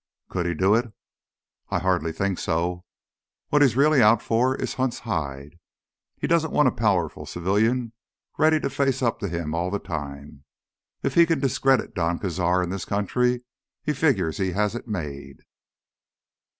"Could he do it?" "I hardly think so. What he's really out for is Hunt's hide. He doesn't want a powerful civilian ready to face up to him all the time. If he can discredit Don Cazar in this country, he figures he has it made."